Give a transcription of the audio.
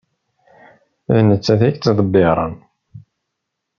D nettat i yettḍebbiren.